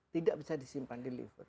tidak bisa disimpan di liver